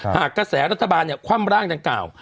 หากกระแสของรัฐบาลเนี่ยคว่ำร่างดังกล่าว